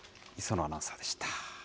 礒野アナウンサーでした。